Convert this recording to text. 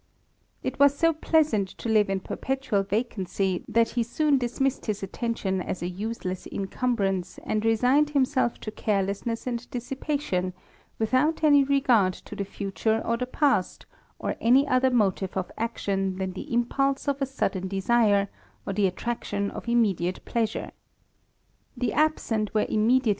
It was so pleasant to live in perpetual vacancy, that he soon dismissed his attention as an useless incumbrance, an^ resigned himself to carelessness and dissipation, without at^l^ regard to the future or the past, or any other motive O* action than the impulse of a sudden desire, or the attractio'*^ of immediate pleasure. The absent were immediate!